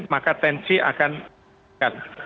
maka tensi akan meningkat